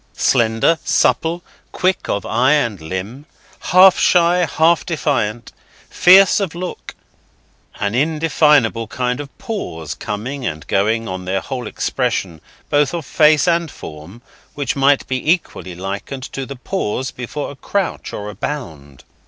Slender, supple, quick of eye and limb; half shy, half defiant; fierce of look; an indefinable kind of pause coming and going on their whole expression, both of face and form, which might be equally likened to the pause before a crouch or a bound.